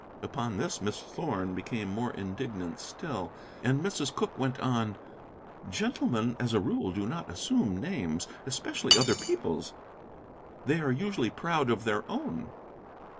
Upon this Miss Thorn became more indignant still, and Mrs. Cooke went on "Gentlemen, as a rule, do not assume names, especially other people's. They are usually proud of their own.